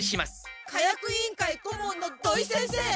火薬委員会こもんの土井先生！